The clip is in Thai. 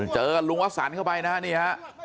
เจอลุงวัศรเข้าไปนะนี่ฮะ